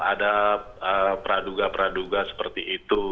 ada peraduga peraduga seperti itu